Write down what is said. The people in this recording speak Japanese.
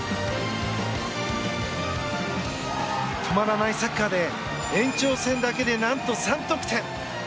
止まらないサッカーで延長戦だけで何と３得点！